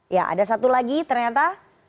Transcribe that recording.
ya ada satu lagi ternyata